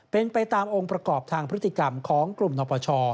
เป็นไปตามองค์ประกอบทางพฤติกรรมของกลุ่มนปช